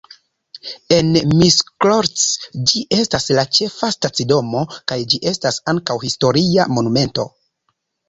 En Miskolc ĝi estas la ĉefa stacidomo kaj ĝi estas ankaŭ historia monumento.